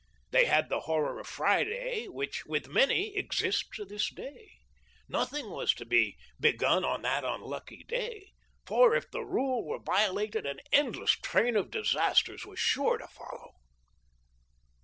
They had the horror of Friday which with many exists to this day. Nothing was to be begun on that unlucky day, for if the rule were violated an endless train of disasters was sure to follow.